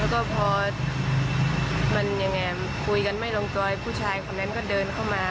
แล้วก็พอมันยังไงคุยกันไม่ลงจอยผู้ชายคนนั้นก็เดินเข้ามา